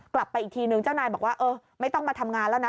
กลับไปอีกทีนึงเจ้านายบอกว่าเออไม่ต้องมาทำงานแล้วนะ